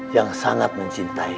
yang sangat mencintaimu